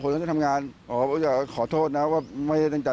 คนก็จะทำงานขอโทษนะว่าไม่ได้ตั้งใจ